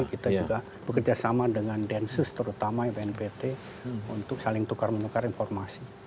kita juga bekerjasama dengan densus terutama bnpt untuk saling tukar menukar informasi